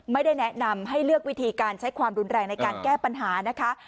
ไม่ได้แนะนำให้เลือกวิธีการใช้ความรุนแรงในการแก้ปัญหานะคะ